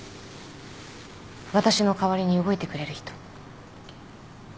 私の代わりに動いてくれる人。